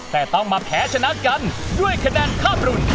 แต่ต้องมาแผลชนะกันด้วยแขนแนนคาบรุน